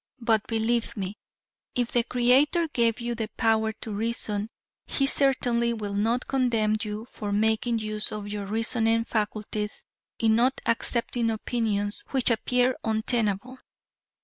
But believe me, if the Creator gave you the power to reason, he certainly will not condemn you for making use of your reasoning faculties in not accepting opinions which appear untenable.